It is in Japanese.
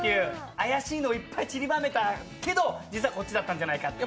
怪しいのをいっぱいちりばめたけど、実はこっちだったんじゃないかと。